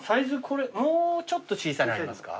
これもうちょっと小さいのありますか？